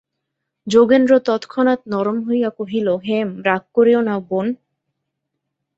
যোগেন্দ্র তৎক্ষণাৎ নরম হইয়া কহিল, হেম, রাগ করিয়ো না বোন।